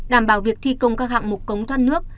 đảm bảo việc thi công các hạng mục cống thoát nước